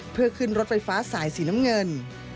เพื่อขึ้นรถไฟฟ้าสายสีน้ำเงิน